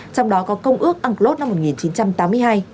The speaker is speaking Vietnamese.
trong đó có công ước unclos năm một nghìn chín trăm tám mươi hai